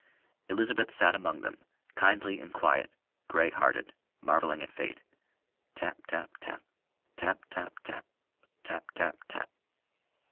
Elizabeth sat among them, kindly and quiet, grey hearted, marvelling at Fate: tap, tap, tap; tap, tap, tap; tap, tap, tap.